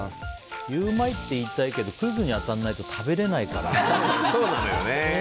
ゆウマいって言いたいけどクイズに当たらないと食べられないからね。